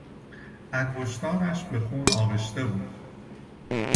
انگشتانش به خون آغشته بود.